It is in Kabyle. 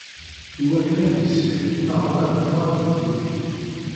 Iwakken ad isellek imeɣban merra n ddunit.